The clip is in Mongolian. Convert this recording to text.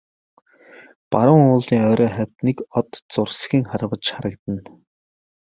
Баруун уулын орой хавьд нэг од зурсхийн харваж харагдана.